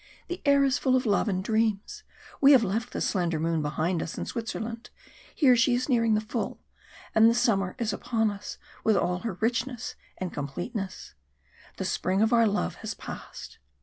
"The air is full of love and dreams; we have left the slender moon behind us in Switzerland; here she is nearing her full, and the summer is upon us with all her richness and completeness the spring of our love has passed."